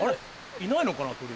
いないのかな鳥。